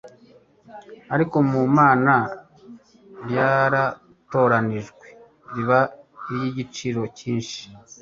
ariko ku Mana ryaratoranijwe riba iry'igiciro cyinshi.